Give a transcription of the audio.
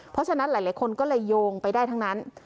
เพราะฉะนั้นหลายคนก็เลยโยงไปได้ทั้งนั้น